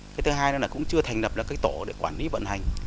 cái thứ hai là cũng chưa thành đập được cái tổ để quản lý vận hành